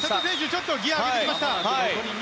ちょっとギアを上げてきました。